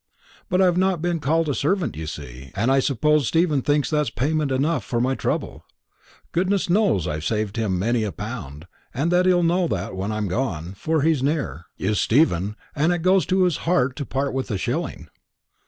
But I've not been called a servant, you see; and I suppose Stephen thinks that's payment enough for my trouble. Goodness knows I've saved him many a pound, and that he'll know when I'm gone; for he's near, is Stephen, and it goes to his heart to part with a shilling."